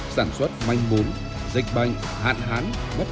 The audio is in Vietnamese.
sản xuất manh bốn dịch bệnh hạn hán